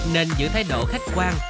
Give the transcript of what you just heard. nên giữ thái độ khách quan